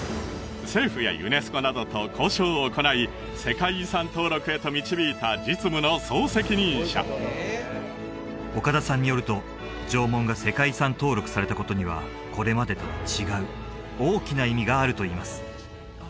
政府やユネスコなどと交渉を行い世界遺産登録へと導いた実務の総責任者岡田さんによると縄文が世界遺産登録されたことにはこれまでとは違う大きな意味があるといいます